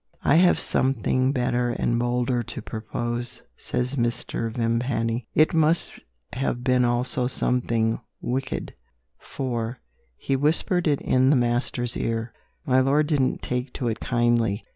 "I have something better and bolder to propose," says Mr. Vimpany. It must have been also something wicked for he whispered it in the master's ear. My lord didn't take to it kindly.